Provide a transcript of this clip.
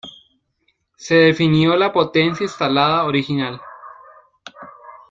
Se definió la potencia instalada original.